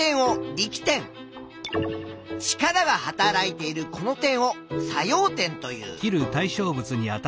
力がはたらいているこの点を「作用点」という。